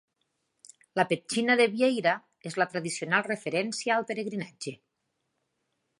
La petxina de vieira és la tradicional referència al pelegrinatge.